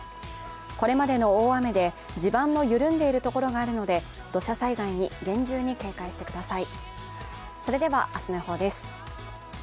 これまでの大雨で地盤の緩んでいるところがあるので、土砂災害に厳重に警戒してください。